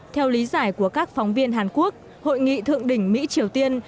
theo lý giải của các phóng viên hàn quốc hội nghị thượng đỉnh mỹ triều tiên